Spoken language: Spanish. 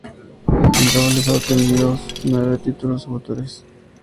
En dobles ha obtenidos nueve títulos futures.